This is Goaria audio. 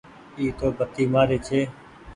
اي تو بتي مآري ڇي۔